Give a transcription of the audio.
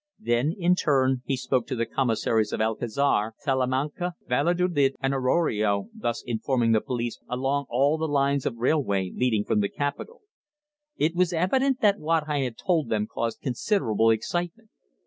Then, in turn, he spoke to the commissaries of Alcazar, Salamanca, Valladolid and Arroyo, thus informing the police along all the lines of railway leading from the capital. It was evident that what I had told them caused considerable excitement.